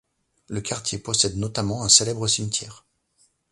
Le quartier possède notamment un célèbre cimetière.